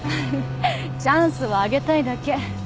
チャンスをあげたいだけ。